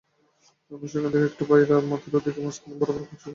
তারপর সেখান থেকে একটা পায়ার মাথার দিকে মাঝখান বরাবর খুঁড়ে গর্ত করা হয়।